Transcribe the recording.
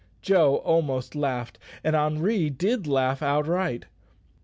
Joe almost laughed, and Henri did laugh outright.